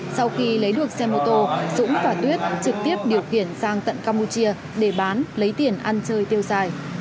sau khi lấy được xe mô tô dũng và tuyết trực tiếp điều khiển sang tận campuchia để bán lấy tiền ăn chơi tiêu xài